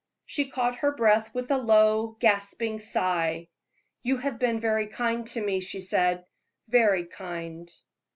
She caught her breath with a low, gasping sigh. "You have been very kind to me," she said "very kind."